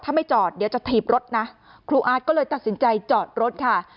ถ้าไม่จอดเดี๋ยวจะถีบรถนะครูอาร์ตก็เลยตัดสินใจจอดรถค่ะ